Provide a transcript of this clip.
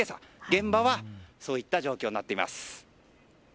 現場はそういった状況になっています。